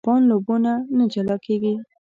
کبان له اوبو نه جلا کېږي.